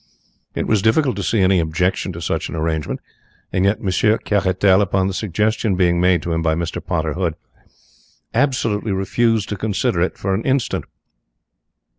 It was difficult to see any objection to such an arrangement, and yet Monsieur Caratal, upon the suggestion being made to him by Mr. Potter Hood, absolutely refused to consider it for an instant.